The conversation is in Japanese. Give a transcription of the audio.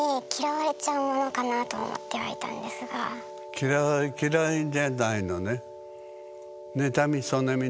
嫌い嫌いじゃないのね。